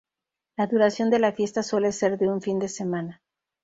La duración de la fiesta suele ser de un fin de semana.